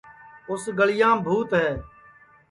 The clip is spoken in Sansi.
اُس گݪیام بھوت ہے